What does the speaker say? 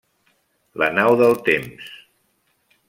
La nau del temps.